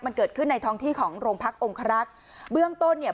มันเกิดขึ้นในท้องที่ของโรงพักองครักษ์เบื้องต้นเนี่ย